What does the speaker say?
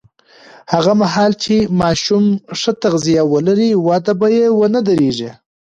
هغه مهال چې ماشوم ښه تغذیه ولري، وده به یې ونه درېږي.